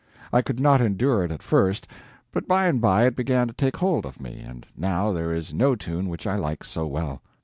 I could not endure it at first, but by and by it began to take hold of me, and now there is no tune which I like so well.